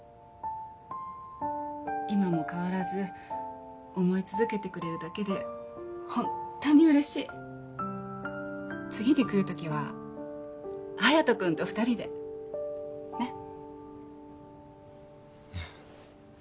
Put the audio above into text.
今も変わらず思い続けてくれるだけでホントに嬉しい次に来る時は隼人君と２人でねっ？